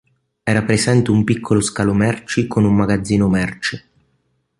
Era presente un piccolo scalo merci con un magazzino merci.